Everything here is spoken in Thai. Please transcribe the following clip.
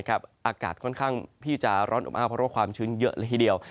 อากาศค่อนข้างที่จะร้อนอบอ้าวเพราะว่าความชื้นเยอะเลยทีเดียว